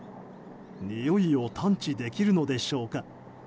においを探知できるのでしょうか。